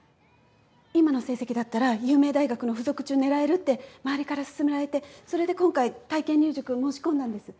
今の成績だったら有名大学の付属中狙えるって周りから勧められてそれで今回体験入塾申し込んだんです。